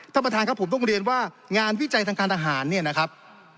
ท่านประธานครับผมต้องเรียนว่างานวิจัยทางการทหารเนี่ยนะครับ